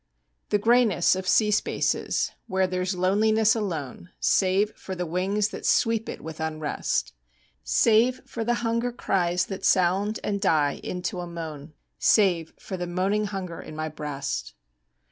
The grayness of sea spaces where There's loneliness alone, Save for the wings that sweep it with unrest, Save for the hunger cries that sound And die into a moan, Save for the moaning hunger in my breast.